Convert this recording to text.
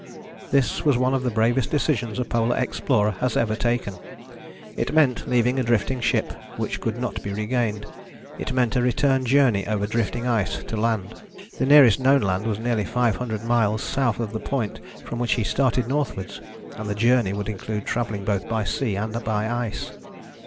This was one of the bravest decisions a polar explorer has ever taken. It meant leaving a drifting ship which could not be regained: it meant a return journey over drifting ice to land; the nearest known land was nearly five hundred miles south of the point from which he started northwards; and the journey would include travelling both by sea and by ice.